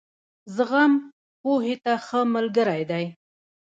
زغم، پوهې ته ښه ملګری دی.